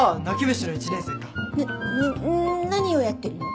なな何をやってるの？